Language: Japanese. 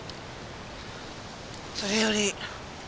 それより。